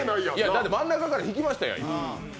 だって真ん中から引きましたやん。